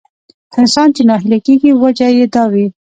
انسان چې ناهيلی کېږي وجه يې دا وي.